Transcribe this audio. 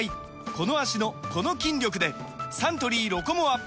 この脚のこの筋力でサントリー「ロコモア」！